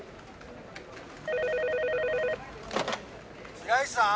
☎白石さん？